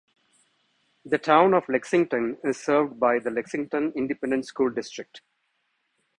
The Town of Lexington is served by the Lexington Independent School District.